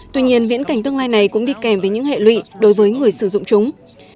tuy nhiên viễn cảnh tương lai này cũng đi kèm với những hệ lụy đối với người sử dụng chúng